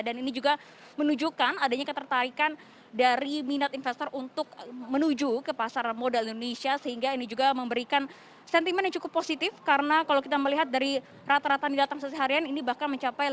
dan ini juga menunjukkan adanya ketertarikan dari minat investor untuk menuju ke pasar modal indonesia sehingga ini juga memberikan sentimen yang cukup positif karena kalau kita melihat dari rata rata yang datang sehari ini bahkan mencapai seratus juta